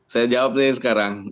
saya jawab ini sekarang